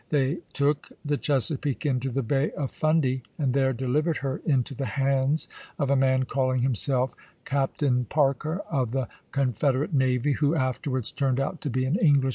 They took the Chesapeake into the Bay of Fundy, and there delivered her into the hands of a man calling himself Captain Parker of the Confederate navy, who afterwards turned out to be an Englishman to Hoi combe, Feb.